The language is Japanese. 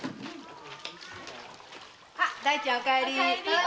大ちゃんお帰り。